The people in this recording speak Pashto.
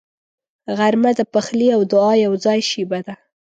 غرمه د پخلي او دعا یوځای شیبه ده